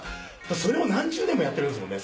それを何十年もやってるんですもんね。